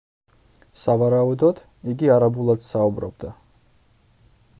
სავარაუდოდ, იგი არაბულად საუბრობდა.